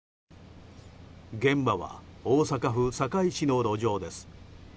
現場は、大阪府堺市の路上です。